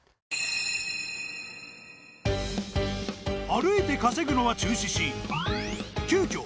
歩いて稼ぐのは中止し急きょ